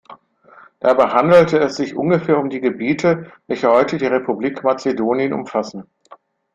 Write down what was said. Dabei handelte es sich ungefähr um die Gebiete, welche heute die Republik Mazedonien umfassen.